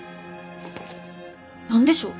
何でしょう？